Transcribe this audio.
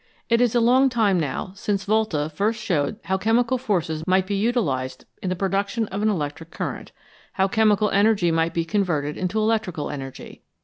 It is a long time now since Volta first showed how chemical forces might be utilised in the production of an electric current how chemical energy might be converted into electrical energy.